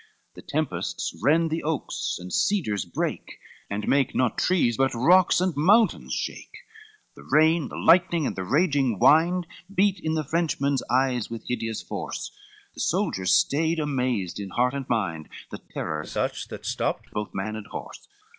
The tempests rend the oaks and cedars brake, And make not trees but rocks and mountains shake. CXVII The rain, the lightning, and the raging wind, Beat in the Frenchmen's eyes with hideous force, The soldiers stayed amazed in heart and mind, The terror such that stopped both man and horse.